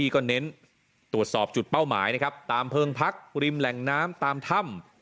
ก็เน้นตรวจสอบจุดเป้าหมายนะครับตามเพลิงพักริมแหล่งน้ำตามถ้ำ